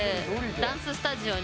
ダンススタジオに